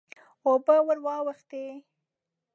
اوبه ور واوښتې.